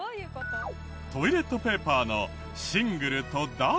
トイレットペーパーのシングルとダブル。